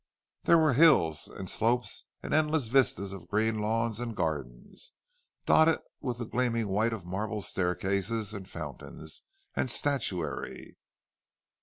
There were hills and slopes, and endless vistas of green lawns and gardens, dotted with the gleaming white of marble staircases and fountains and statuary.